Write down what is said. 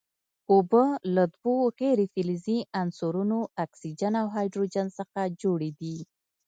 اوبه له دوو غیر فلزي عنصرونو اکسیجن او هایدروجن څخه جوړې دي.